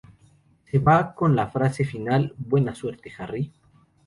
Se va con la frase final, "Buena suerte, Harry".